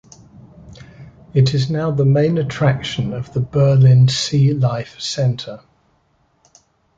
It is now the main attraction of the Berlin Sea Life Centre.